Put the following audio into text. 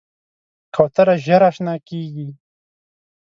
کوتره ژر اشنا کېږي.